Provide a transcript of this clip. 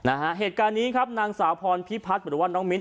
เหตุการณ์นี้ครับนางสาวพรพิพัฒน์หรือว่าน้องมิ้นท